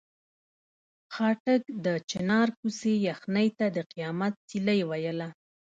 خاټک د چنار کوڅې یخنۍ ته د قیامت سیلۍ ویله.